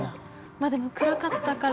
まあでも暗かったから。